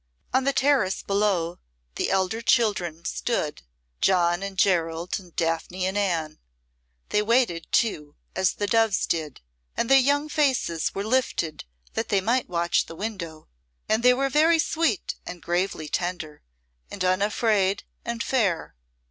On the terrace below the elder children stood John and Gerald and Daphne and Anne. They waited too, as the doves did, and their young faces were lifted that they might watch the window, and they were very sweet and gravely tender and unafraid and fair.